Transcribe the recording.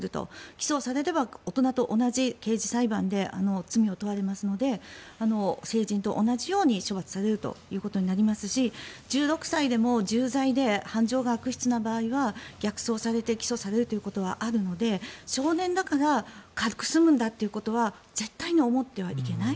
起訴をされれば大人と同じ刑事裁判で罪を問われますので成人と同じように処罰されるということになりますし１６歳でも重罪で犯情が悪質な場合は逆送されて起訴されるということはあるので少年だから軽く済むんだということは絶対に思ってはいけない。